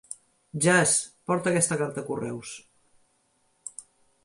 Jas, porta aquesta carta a Correus.